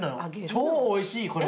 超おいしいこれ。